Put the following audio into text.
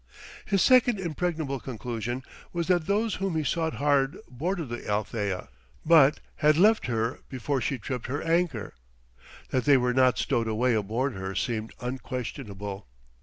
His second impregnable conclusion was that those whom he sought had boarded the Alethea, but had left her before she tripped her anchor. That they were not stowed away aboard her seemed unquestionable.